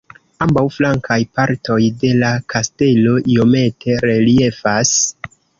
Ambaŭ flankaj partoj de la kastelo iomete reliefas.